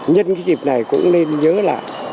nhân cái dịp này cũng nên nhớ lại